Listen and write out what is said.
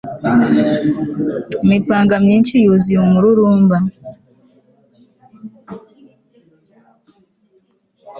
Imipanga myinshi yuzuye umururumba